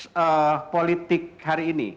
sebuah konteks politik hari ini